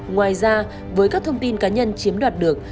ngoài ra với các thông tin cá nhân chiếm đoạt được